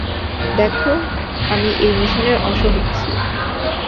দেখো, আমি এই মিশনের অংশ হচ্ছি।